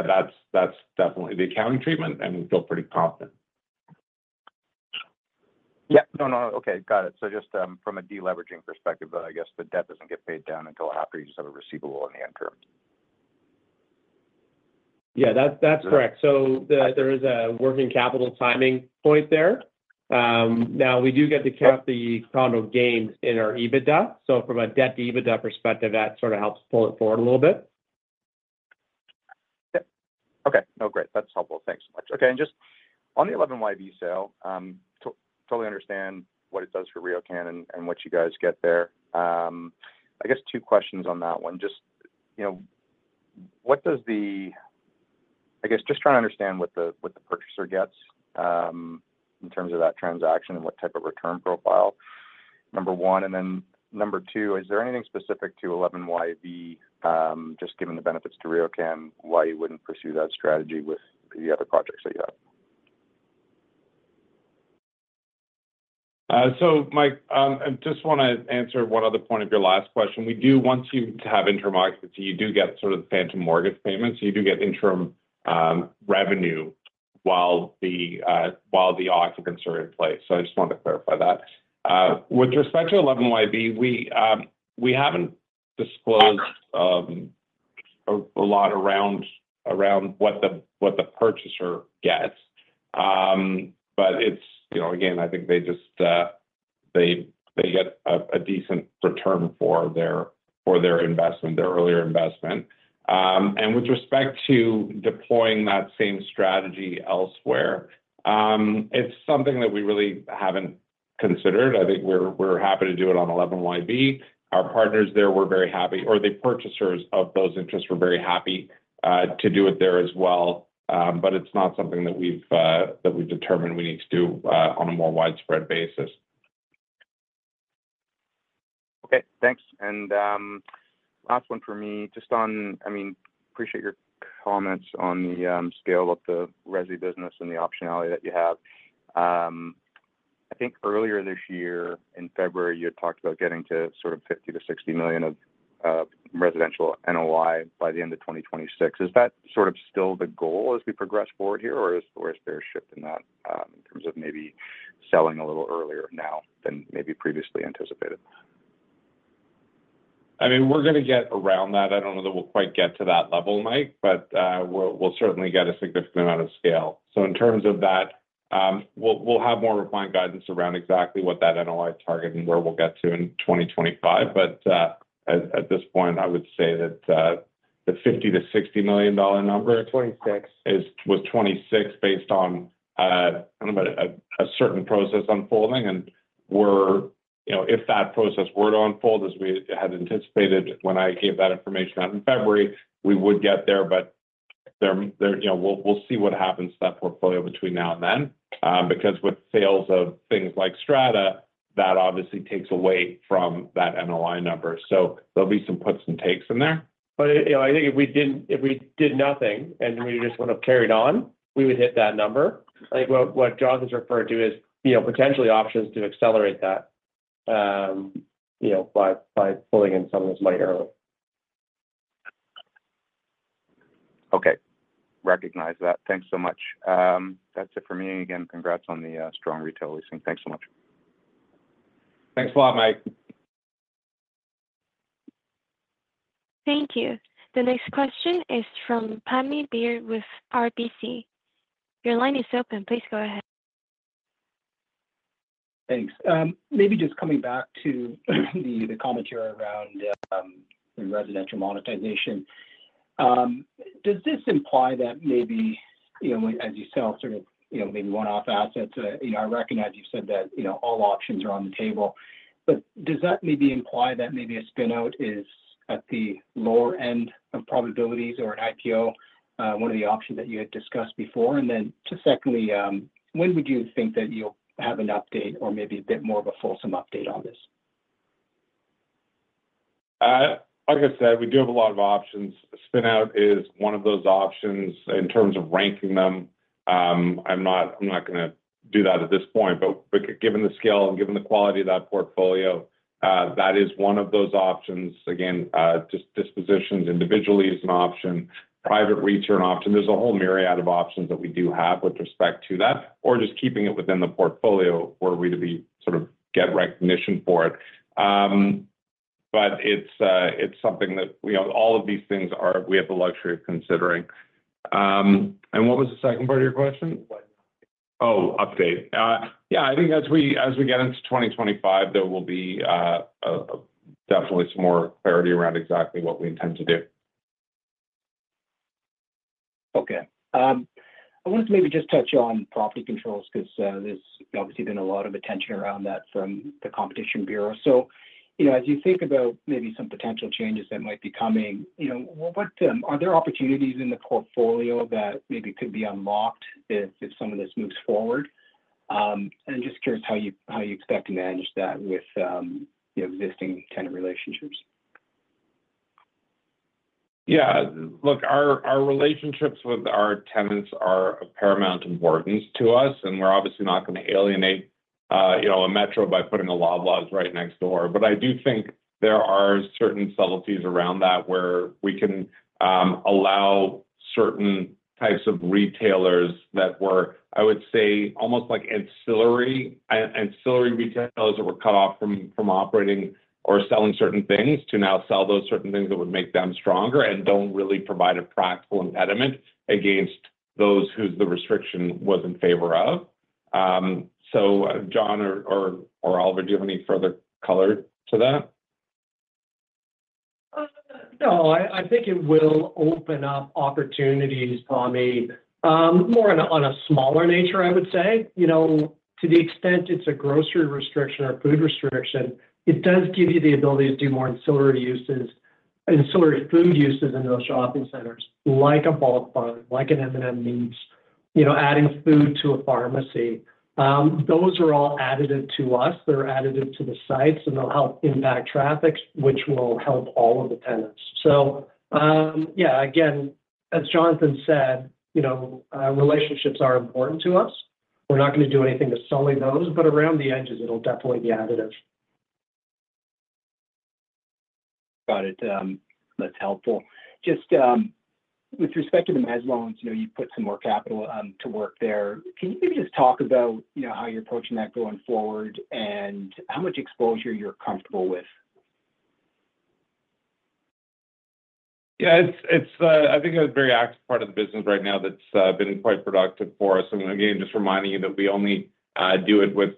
Speaker 3: that's definitely the accounting treatment, and we feel pretty confident.
Speaker 9: Yeah. No, no. Okay. Got it. So just from a deleveraging perspective, I guess the debt doesn't get paid down until after you just have a receivable in the interim.
Speaker 3: Yeah. That's correct. So there is a working capital timing point there. Now, we do get to count the condo gains in our EBITDA. So from a debt to EBITDA perspective, that sort of helps pull it forward a little bit.
Speaker 9: Okay. No, great. That's helpful. Thanks so much. Okay. And just on the 11YV sale, totally understand what it does for RioCan and what you guys get there. I guess two questions on that one. Just what does the, I guess, just trying to understand what the purchaser gets in terms of that transaction and what type of return profile, number one. Then number two, is there anything specific to 11YV, just given the benefits to RioCan, why you wouldn't pursue that strategy with the other projects that you have?
Speaker 4: So Mike, I just want to answer one other point of your last question. We do, once you have interim occupancy, you do get sort of phantom mortgage payments. You do get interim revenue while the occupants are in place. So I just wanted to clarify that. With respect to 11YV, we haven't disclosed a lot around what the purchaser gets. But again, I think they get a decent return for their investment, their earlier investment. And with respect to deploying that same strategy elsewhere, it's something that we really haven't considered. I think we're happy to do it on 11YV. Our partners there were very happy, or the purchasers of those interests were very happy to do it there as well. But it's not something that we've determined we need to do on a more widespread basis.
Speaker 9: Okay. Thanks. And last one for me, just on, I mean, appreciate your comments on the scale of the Resi business and the optionality that you have. I think earlier this year, in February, you had talked about getting to sort of 50-60 million of residential NOI by the end of 2026. Is that sort of still the goal as we progress forward here, or is there a shift in that in terms of maybe selling a little earlier now than maybe previously anticipated?
Speaker 4: I mean, we're going to get around that. I don't know that we'll quite get to that level, Mike, but we'll certainly get a significant amount of scale, so in terms of that, we'll have more refined guidance around exactly what that NOI target and where we'll get to in 2025, but at this point, I would say that the 50 million-60 million dollar number was 26 based on a certain process unfolding, and if that process were to unfold as we had anticipated when I gave that information out in February, we would get there, but we'll see what happens to that portfolio between now and then, because with sales of things like Strata, that obviously takes away from that NOI number, so there'll be some puts and takes in there, but I think if we did nothing and we just would have carried on, we would hit that number. What Jonathan's referred to is potentially options to accelerate that by pulling in some of this money early.
Speaker 9: Okay. Recognize that. Thanks so much. That's it for me. And again, congrats on the strong retail leasing. Thanks so much.
Speaker 3: Thanks a lot, Mike.
Speaker 1: Thank you. The next question is from Pammi Bir with RBC. Your line is open. Please go ahead.
Speaker 10: Thanks. Maybe just coming back to the commentary around residential monetization. Does this imply that maybe, as you said, sort of maybe one-off assets? I recognize you said that all options are on the table. But does that maybe imply that maybe a spinout is at the lower end of probabilities or an IPO, one of the options that you had discussed before? And then secondly, when would you think that you'll have an update or maybe a bit more of a fulsome update on this?
Speaker 3: Like I said, we do have a lot of options. Spinout is one of those options in terms of ranking them. I'm not going to do that at this point. But given the scale and given the quality of that portfolio, that is one of those options. Again, just dispositions individually is an option, private retail option. There's a whole myriad of options that we do have with respect to that, or just keeping it within the portfolio where we sort of get recognition for it. But it's something that all of these things we have the luxury of considering. And what was the second part of your question? Oh, update. Yeah. I think as we get into 2025, there will be definitely some more clarity around exactly what we intend to do.
Speaker 10: Okay. I wanted to maybe just touch on property controls because there's obviously been a lot of attention around that from the Competition Bureau. So as you think about maybe some potential changes that might be coming, are there opportunities in the portfolio that maybe could be unlocked if some of this moves forward? And I'm just curious how you expect to manage that with existing tenant relationships.
Speaker 3: Yeah. Look, our relationships with our tenants are of paramount importance to us. And we're obviously not going to alienate a Metro by putting a Loblaw's right next door. But I do think there are certain subtleties around that where we can allow certain types of retailers that were, I would say, almost like ancillary retailers that were cut off from operating or selling certain things to now sell those certain things that would make them stronger and don't really provide a practical impediment against those whose restriction was in favor of. So John or Oliver, do you have any further color to that?
Speaker 6: No. I think it will open up opportunities, Pammi, more on a smaller nature, I would say. To the extent it's a grocery restriction or food restriction, it does give you the ability to do more ancillary food uses in those shopping centers, like a Bulk Barn, like an M&M Meats, adding food to a pharmacy. Those are all additive to us. They're additive to the sites, and they'll help impact traffic, which will help all of the tenants. So yeah, again, as Jonathan said, relationships are important to us. We're not going to do anything to sully those. But around the edges, it'll definitely be additive.
Speaker 10: Got it. That's helpful. Just with respect to the mezz loans, you put some more capital to work there. Can you maybe just talk about how you're approaching that going forward and how much exposure you're comfortable with?
Speaker 3: Yeah. I think a very active part of the business right now that's been quite productive for us. Again, just reminding you that we only do it with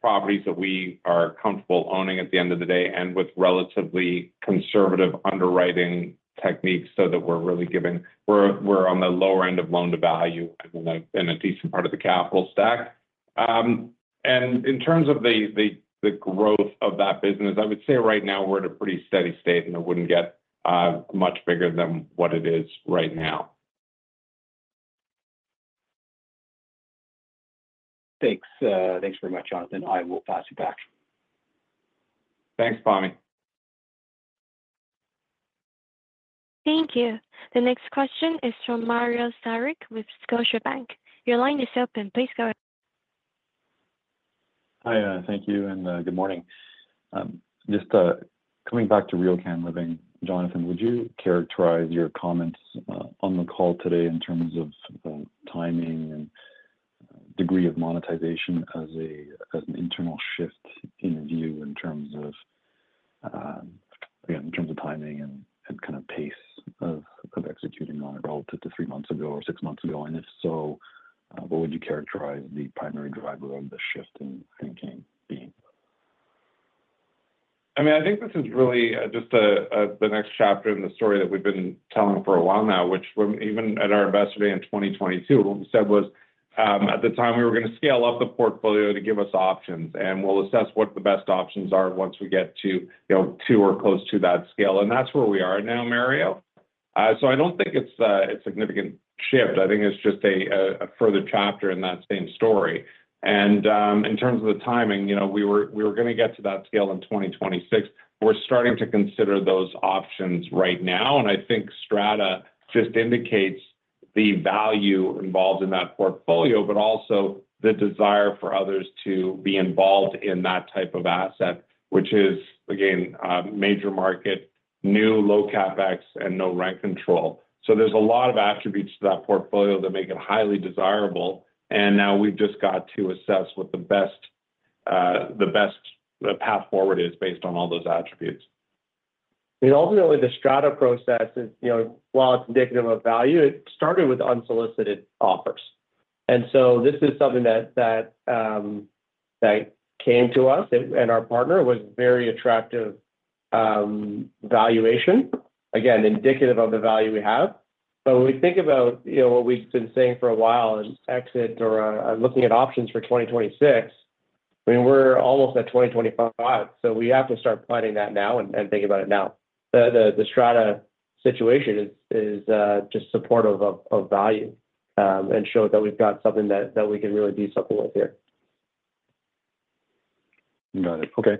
Speaker 3: properties that we are comfortable owning at the end of the day and with relatively conservative underwriting techniques so that we're really giving we're on the lower end of loan to value and a decent part of the capital stack. In terms of the growth of that business, I would say right now we're at a pretty steady state, and it wouldn't get much bigger than what it is right now. Thanks. Thanks very much, Jonathan. I will pass you back. Thanks, Pammi.
Speaker 1: Thank you. The next question is from Mario Saric with Scotiabank. Your line is open. Please go ahead.
Speaker 11: Hi. Thank you. And good morning. Just coming back to RioCan Living, Jonathan, would you characterize your comments on the call today in terms of timing and degree of monetization as an internal shift in view in terms of, again, in terms of timing and kind of pace of executing on it relative to three months ago or six months ago? And if so, what would you characterize the primary driver of the shift in thinking being?
Speaker 3: I mean, I think this is really just the next chapter in the story that we've been telling for a while now, which even at our investor day in 2022, what we said was at the time we were going to scale up the portfolio to give us options, and we'll assess what the best options are once we get to two or close to that scale. And that's where we are now, Mario. So I don't think it's a significant shift. I think it's just a further chapter in that same story. And in terms of the timing, we were going to get to that scale in 2026. We're starting to consider those options right now. And I think Strata just indicates the value involved in that portfolio, but also the desire for others to be involved in that type of asset, which is, again, major market, new low CapEx, and no rent control. So there's a lot of attributes to that portfolio that make it highly desirable. And now we've just got to assess what the best path forward is based on all those attributes. I mean, ultimately, the Strata process, while it's indicative of value, it started with unsolicited offers. This is something that came to us and our partner was very attractive valuation, again, indicative of the value we have. But when we think about what we've been saying for a while and exit or looking at options for 2026, I mean, we're almost at 2025. So we have to start planning that now and think about it now. The Strata situation is just supportive of value and showed that we've got something that we can really be something with here.
Speaker 11: Got it. Okay.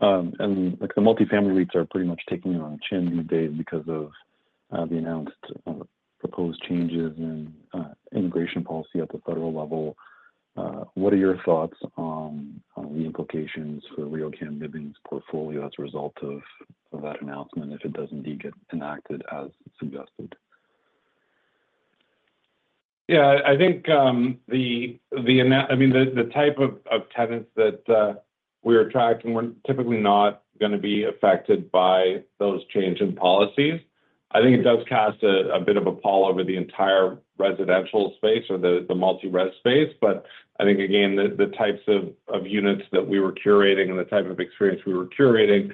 Speaker 11: The multifamily REITs are pretty much taking it on the chin these days because of the announced proposed changes in immigration policy at the federal level. What are your thoughts on the implications for RioCan Living's portfolio as a result of that announcement if it does indeed get enacted as suggested?
Speaker 3: Yeah. I think, I mean, the type of tenants that we're tracking weren't typically not going to be affected by those changes in policies. I think it does cast a bit of a pall over the entire residential space or the multi-res space. But I think, again, the types of units that we were curating and the type of experience we were curating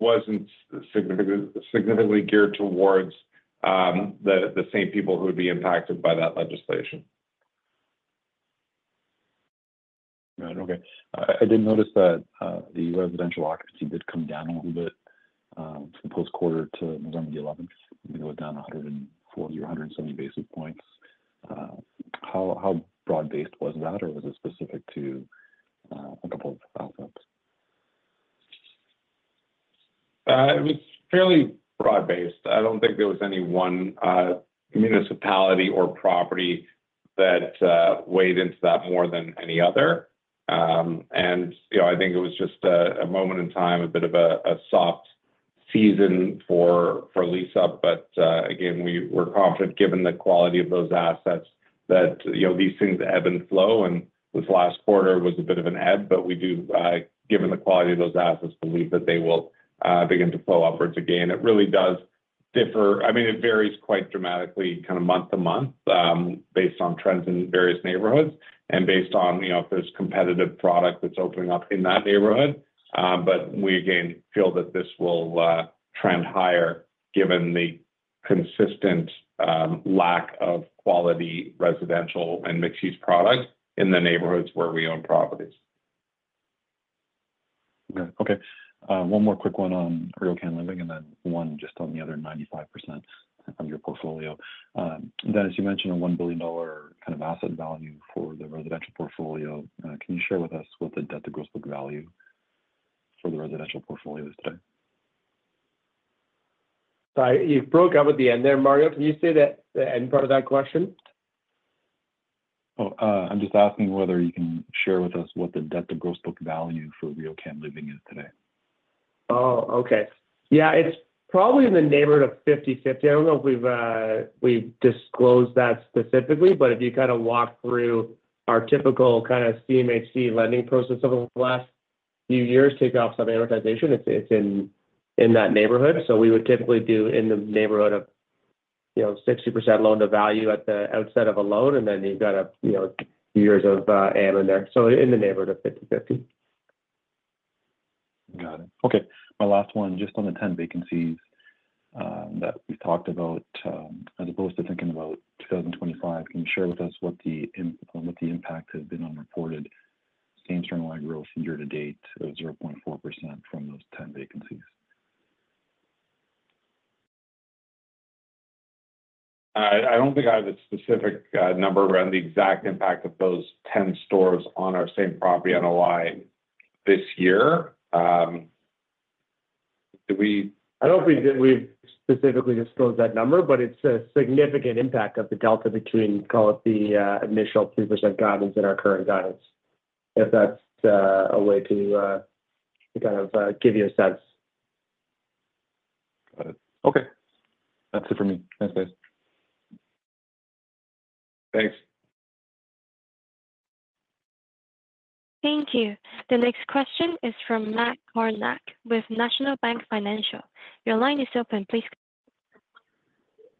Speaker 3: wasn't significantly geared towards the same people who would be impacted by that legislation.
Speaker 11: Got it. Okay. I did notice that the residential occupancy did come down a little bit post-quarter to November the 11th. It went down 140 basis points or 170 basis points. How broad-based was that, or was it specific to a couple of assets?
Speaker 3: It was fairly broad-based. I don't think there was any one municipality or property that weighed into that more than any other. And I think it was just a moment in time, a bit of a soft season for lease-up. But again, we were confident, given the quality of those assets, that these things ebb and flow. And this last quarter was a bit of an ebb, but we do, given the quality of those assets, believe that they will begin to flow upwards again. It really does differ. I mean, it varies quite dramatically kind of month to month based on trends in various neighborhoods and based on if there's competitive product that's opening up in that neighborhood. But we, again, feel that this will trend higher given the consistent lack of quality residential and mixed-use product in the neighborhoods where we own properties.
Speaker 11: Okay. Okay. One more quick one on RioCan Living and then one just on the other 95% of your portfolio. Then, as you mentioned, a 1 billion dollar kind of asset value for the residential portfolio. Can you share with us what the debt-to-gross book value for the residential portfolio is today?
Speaker 3: Sorry. You broke up at the end there, Mario. Can you say the end part of that question?
Speaker 11: Oh, I'm just asking whether you can share with us what the debt-to-gross book value for RioCan Living is today.
Speaker 3: Oh, okay. Yeah. It's probably in the neighborhood of 50/50. I don't know if we've disclosed that specifically, but if you kind of walk through our typical kind of CMHC lending process over the last few years, take off some amortization, it's in that neighborhood. So we would typically do in the neighborhood of 60% loan to value at the outset of a loan, and then you've got a few years of am in there. So in the neighborhood of 50/50.
Speaker 11: Got it. Okay. My last one, just on the 10 vacancies that we've talked about, as opposed to thinking about 2025, can you share with us what the impact has been on reported same-property NOI growth year to date of 0.4% from those 10 vacancies?
Speaker 3: I don't think I have a specific number around the exact impact of those 10 stores on our same-property NOI this year. I don't think we've specifically disclosed that number, but it's a significant impact of the delta between, call it, the initial 3% guidance and our current guidance, if that's a way to kind of give you a sense.
Speaker 11: Got it. Okay. That's it for me. Thanks, guys.
Speaker 3: Thanks.
Speaker 1: Thank you. The next question is from Matt Kornack with National Bank Financial. Your line is open. Please.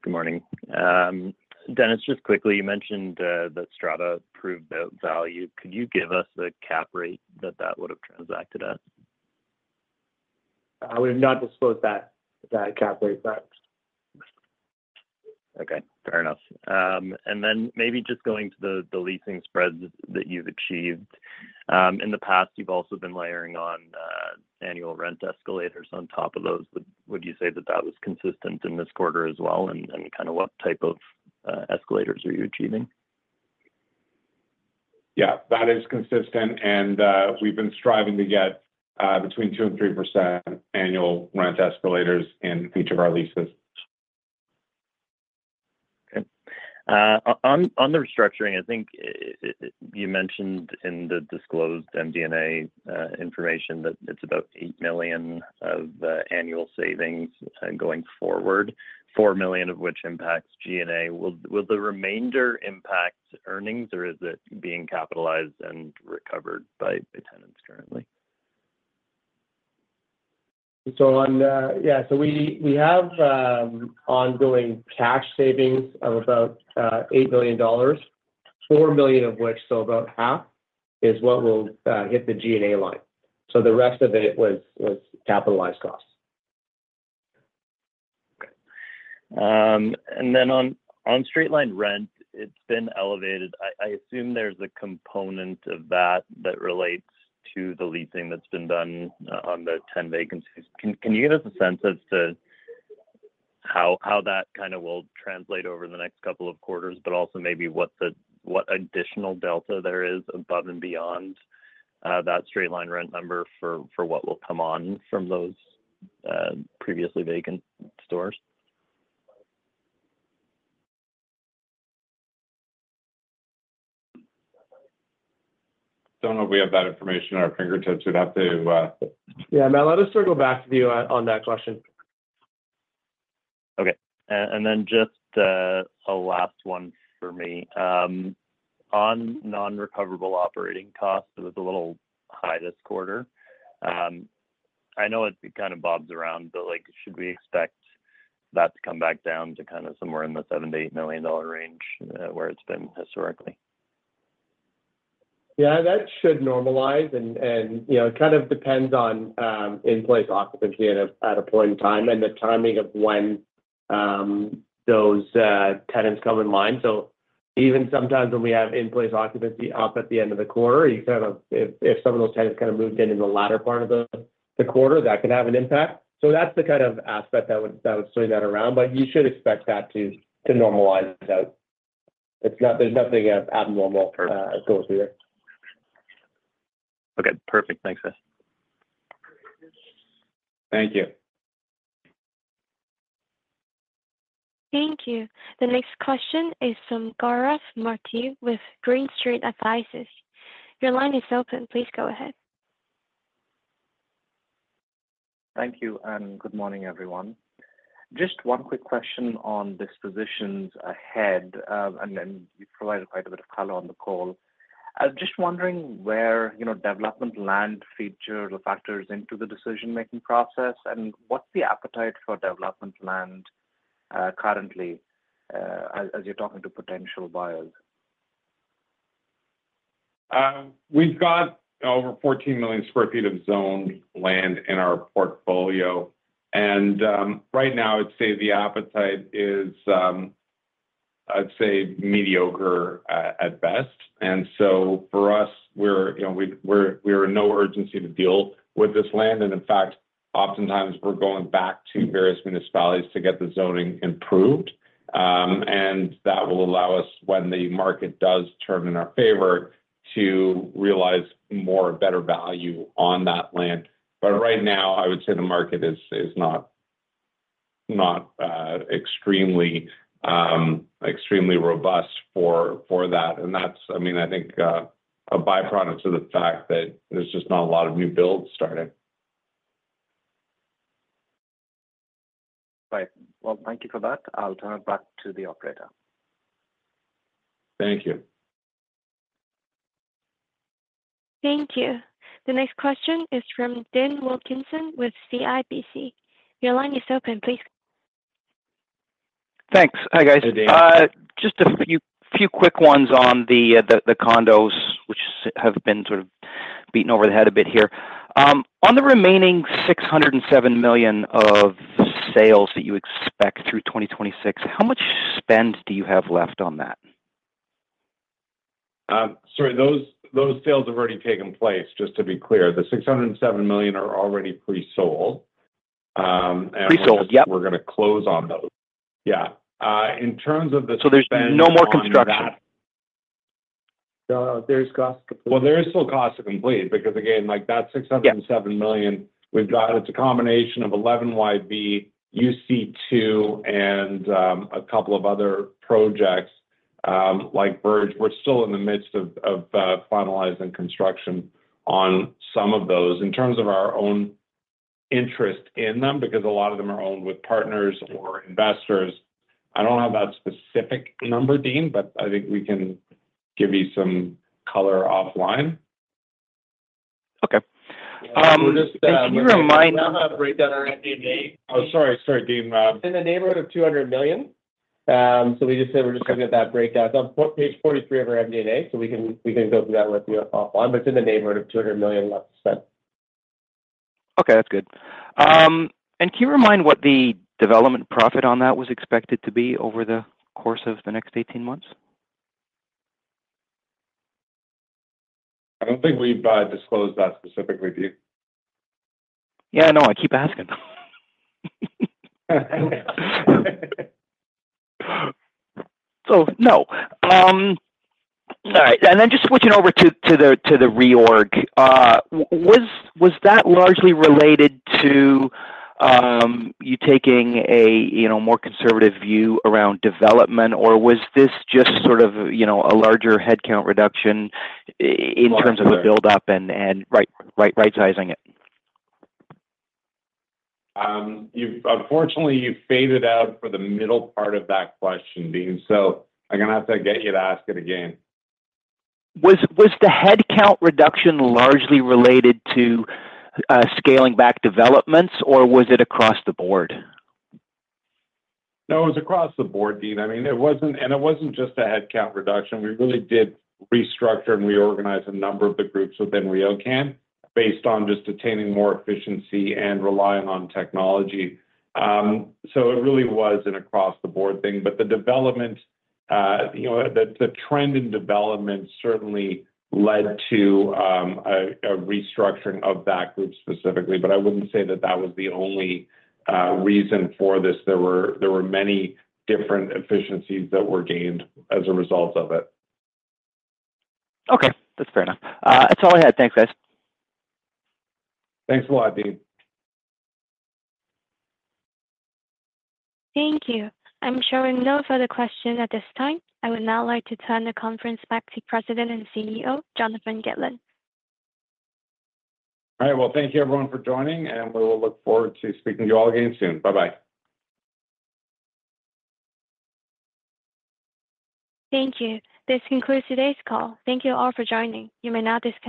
Speaker 12: Good morning. Dennis, just quickly, you mentioned that Strata proved value. Could you give us the cap rate that that would have transacted at?
Speaker 4: We have not disclosed that cap rate yet.
Speaker 12: Okay. Fair enough. And then maybe just going to the leasing spreads that you've achieved. In the past, you've also been layering on annual rent escalators on top of those. Would you say that that was consistent in this quarter as well? And kind of what type of escalators are you achieving?
Speaker 6: Yeah. That is consistent. And we've been striving to get between 2% and 3% annual rent escalators in each of our leases.
Speaker 12: Okay. On the restructuring, I think you mentioned in the disclosed MD&A information that it's about 8 million of annual savings going forward, 4 million of which impacts G&A. Will the remainder impact earnings, or is it being capitalized and recovered by tenants currently?
Speaker 4: So yeah. So we have ongoing cash savings of about 8 million dollars, 4 million of which, so about half, is what will hit the G&A line. So the rest of it was capitalized costs.
Speaker 12: Okay. And then on straight-line rent, it's been elevated. I assume there's a component of that that relates to the leasing that's been done on the 10 vacancies. Can you give us a sense as to how that kind of will translate over the next couple of quarters, but also maybe what additional delta there is above and beyond that straight-line rent number for what will come on from those previously vacant stores?
Speaker 3: Don't know if we have that information at our fingertips. We'd have to.
Speaker 4: Yeah. Matt, let us circle back to you on that question.
Speaker 12: Okay. And then just a last one for me. On non-recoverable operating costs, it was a little high this quarter. I know it kind of bobs around, but should we expect that to come back down to kind of somewhere in the 7 million-8 million dollar range where it's been historically?
Speaker 4: Yeah. That should normalize. And it kind of depends on in-place occupancy at a point in time and the timing of when those tenants come in line. So even sometimes when we have in-place occupancy up at the end of the quarter, if some of those tenants kind of moved in in the latter part of the quarter, that can have an impact. So that's the kind of aspect that would swing that around. But you should expect that to normalize out. There's nothing abnormal going through there.
Speaker 12: Okay. Perfect. Thanks, guys.
Speaker 4: Thank you.
Speaker 1: Thank you. The next question is from Gaurav Mathur with Green Street. Your line is open. Please go ahead.
Speaker 13: Thank you. Good morning, everyone. Just one quick question on dispositions ahead, and then you've provided quite a bit of color on the call. Just wondering where development land features or factors into the decision-making process, and what's the appetite for development land currently as you're talking to potential buyers?
Speaker 3: We've got over 14 million sq ft of zoned land in our portfolio. And right now, I'd say the appetite is, I'd say, mediocre at best. And so for us, we're in no urgency to deal with this land. And in fact, oftentimes, we're going back to various municipalities to get the zoning improved. And that will allow us, when the market does turn in our favor, to realize more better value on that land. But right now, I would say the market is not extremely robust for that. That's, I mean, I think, a byproduct of the fact that there's just not a lot of new builds starting.
Speaker 13: Right. Well, thank you for that. I'll turn it back to the operator.
Speaker 3: Thank you.
Speaker 1: Thank you. The next question is from Dean Wilkinson with CIBC. Your line is open. Please.
Speaker 14: Thanks. Hi, guys. Just a few quick ones on the condos, which have been sort of beaten over the head a bit here. On the remaining 607 million of sales that you expect through 2026, how much spend do you have left on that?
Speaker 3: Sorry. Those sales have already taken place. Just to be clear, the 607 million are already pre-sold. Pre-sold, yep. We're going to close on those. Yeah. In terms of the spend. So there's no more construction.
Speaker 14: There's cost to complete.
Speaker 3: There is still cost to complete because, again, that 607 million we've got is a combination of 11YV, UC2, and a couple of other projects like Bridge. We're still in the midst of finalizing construction on some of those. In terms of our own interest in them, because a lot of them are owned with partners or investors, I don't have that specific number, Dean, but I think we can give you some color offline.
Speaker 14: Okay. Can you remind us? We don't have a breakdown in our MD&A.
Speaker 3: Oh, sorry. Sorry, Dean. It's in the neighborhood of 200 million. So we just said we're just going to get that breakdown. It's on page 43 of our MD&A, so we can go through that with you offline. But it's in the neighborhood of 200 million left to spend.
Speaker 14: Okay. That's good. Can you remind what the development profit on that was expected to be over the course of the next 18 months?
Speaker 3: I don't think we've disclosed that specifically to you.
Speaker 14: Yeah. No. I keep asking. No. All right, then just switching over to the reorg. Was that largely related to you taking a more conservative view around development, or was this just sort of a larger headcount reduction in terms of the build-up and rightsizing it?
Speaker 3: Unfortunately, you faded out for the middle part of that question, Dean. I'm going to have to get you to ask it again.
Speaker 14: Was the headcount reduction largely related to scaling back developments, or was it across the board?
Speaker 3: No, it was across the board, Dean. I mean, and it wasn't just a headcount reduction. We really did restructure and reorganize a number of the groups within RioCan based on just attaining more efficiency and relying on technology. So it really was an across-the-board thing. But the development, the trend in development certainly led to a restructuring of that group specifically. But I wouldn't say that that was the only reason for this. There were many different efficiencies that were gained as a result of it.
Speaker 14: Okay. That's fair enough. That's all I had. Thanks, guys.
Speaker 3: Thanks a lot, Dean.
Speaker 1: Thank you. I'm showing no further questions at this time. I would now like to turn the conference back to President and CEO, Jonathan Gitlin.
Speaker 3: All right. Well, thank you, everyone, for joining, and we will look forward to speaking to you all again soon. Bye-bye.
Speaker 1: Thank you. This concludes today's call. Thank you all for joining. You may now disconnect.